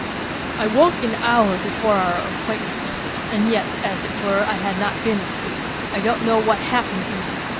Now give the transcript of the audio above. " I woke an hour before our appointment, and yet, as it were, I had not been asleep. I don't know what happened to me.